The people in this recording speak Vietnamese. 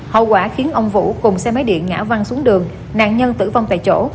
hậu quả khiến ông vũ cùng xe máy điện ngã văng xuống đường nạn nhân tử vong tại chỗ